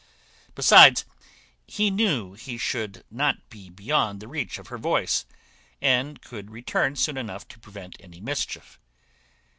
Besides, he knew he should not be beyond the reach of her voice, and could return soon enough to prevent any mischief.